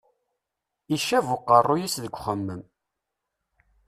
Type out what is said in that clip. Icab uqeṛṛuy-is deg uxemmem.